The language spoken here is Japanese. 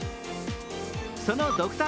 そのドクター